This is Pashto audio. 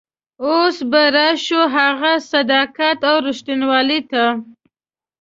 اوس به راشو هغه صداقت او رښتینولي ته.